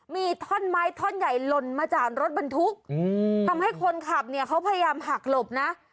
มีท่อนไม้ท่อนใหญ่หล่นมาจากรถบรรทุกทำให้คนขับเนี่ยเขาพยายามหักหลบนะ